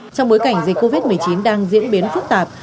trong bối cảnh dịch covid một mươi chín đang diễn biến phức tạp